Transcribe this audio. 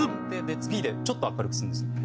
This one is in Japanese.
次でちょっと明るくするんです。